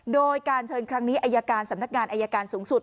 โดยการเชิญครั้งนี้อายการสำนักงานอายการสูงสุด